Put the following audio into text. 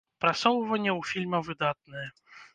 Прасоўванне ў фільма выдатнае.